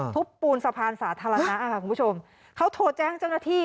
ปูนสะพานสาธารณะค่ะคุณผู้ชมเขาโทรแจ้งเจ้าหน้าที่